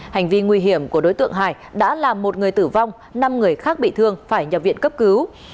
hành vi nguy hiểm của đối tượng hải đã làm một người tử vong năm người khác bị thương phải nhập viện cấp cứu